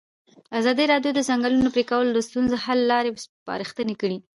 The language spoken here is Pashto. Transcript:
ازادي راډیو د د ځنګلونو پرېکول د ستونزو حل لارې سپارښتنې کړي.